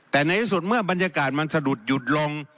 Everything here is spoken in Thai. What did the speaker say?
แต่ในที่สุดเมื่อบรรยากาศมันสะดุดหยุดลง